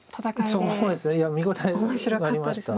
そうですねいや見応えがありました。